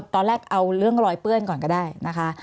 ตอนแรกเอาเรื่องรอยเปื้อนก่อนก็ได้นะคะ